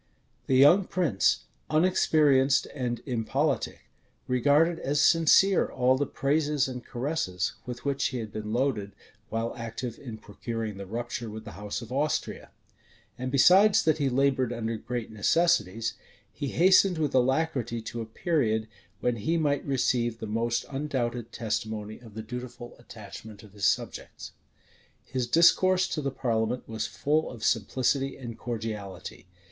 The young prince, unexperienced and impolitic, regarded as sincere all the praises and caresses with which he had been loaded while active in procuring the rupture with the house of Austria. And besides that he labored under great necessities, he hastened with alacrity to a period when he might receive the most undoubted testimony of the dutiful attachment of his subjects. His discourse to the parliament was full of simplicity and cordiality.